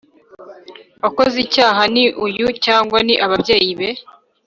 Wakoze icyaha ni uyu cyangwa ni ababyeyi be